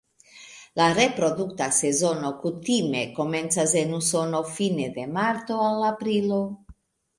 La reprodukta sezono kutime komencas en Usono fine de marto al aprilo.